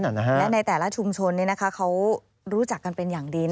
และในแต่ละชุมชนเขารู้จักกันเป็นอย่างดี